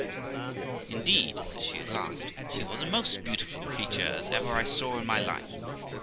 Indeed', says she, at last, 'she was a most beautiful creature as ever I saw in my life.'